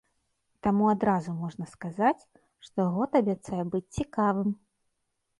Таму адразу можна сказаць, што год абяцае быць цікавым!